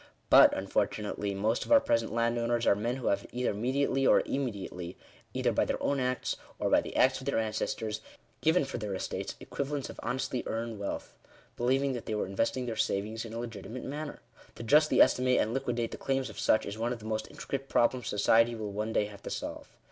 But, unfortunately, most of our present landowners are men who have, either mediately or immediately — either by their own acts, or by the acts of their ancestors — given for their estates, equivalents of honestly earned wealth, believing that they were investing their savings in a legitimate manner. To justly estimate and liquidate the claims of such, is one of the most intricate problems society will one day have to solve.